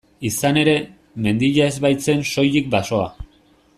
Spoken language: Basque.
Izan ere, mendia ez baitzen soilik basoa.